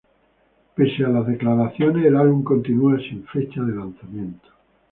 Pese a las declaraciones, el álbum continua sin fecha de lanzamiento.